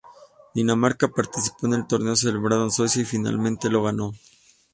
Dinamarca participó en el torneo celebrado en Suecia y finalmente lo ganó.